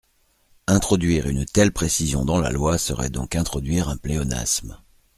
Introduire une telle précision dans la loi serait donc introduire un pléonasme.